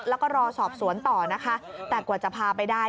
แล้วก็รอสอบสวนต่อนะคะแต่กว่าจะพาไปได้